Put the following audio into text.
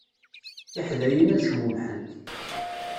Tiḥdayin ad cmumḥent.